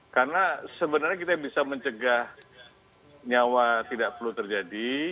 karena sebenarnya kita bisa mencegah nyawa tidak perlu terjadi